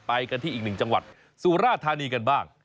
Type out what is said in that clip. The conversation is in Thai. ไปกันที่อีกหนึ่งจังหวัดสุราธานีกันบ้าง